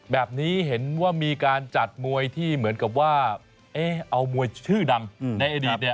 แบบนี้เห็นว่ามีการจัดมวยที่เหมือนกับว่าเอามวยชื่อดังในอดีตเนี่ย